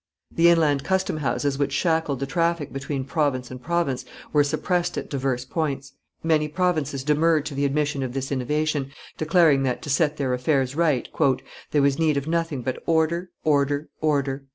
The inland custom houses which shackled the traffic between province and province were suppressed at divers points; many provinces demurred to the admission of this innovation, declaring that, to set their affairs right, "there was need of nothing but order, order, order."